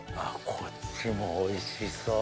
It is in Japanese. こっちもおいしそう。